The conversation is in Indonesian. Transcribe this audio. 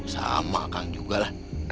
sama kang juga lah